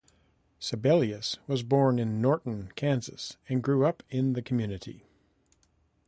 Sebelius was born in Norton, Kansas, and grew up in the community.